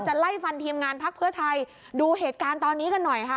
ไล่ฟันทีมงานพักเพื่อไทยดูเหตุการณ์ตอนนี้กันหน่อยค่ะ